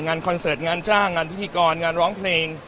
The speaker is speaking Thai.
คอนเสิร์ตงานจ้างงานพิธีกรงานร้องเพลง